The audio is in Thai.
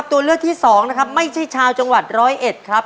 ที่ห้อนี้นะครับ